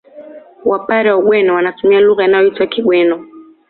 Wapare wa Ugweno wanatumia lugha inayoitwa Kigweno